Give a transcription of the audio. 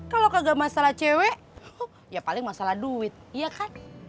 kalau kagak masalah cewek ya paling masalah duit iya kan